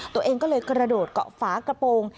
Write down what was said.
ตัวเองก็เลยกระโดดเกาะฝากระโปรง